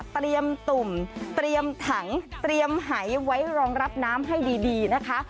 เตรียมตุ่มเตรียมถังเตรียมไหว้รองรับน้ำให้ดีนะคะ